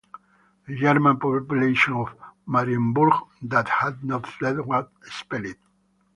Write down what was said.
The German population of Marienburg that had not fled was expelled.